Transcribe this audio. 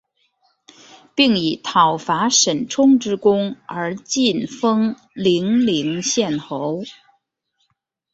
并以讨伐沈充之功而进封零陵县侯。